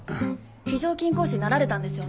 非常勤講師になられたんですよね。